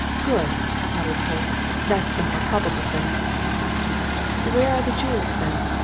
"Good!" muttered Polke. "That's the more probable thing." "Where are the jewels, then?"